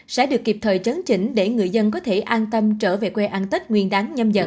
sẽ được kịp thời chấn chỉnh để người dân có thể an tâm trở về quê ăn tết nguyên đáng nhâm dần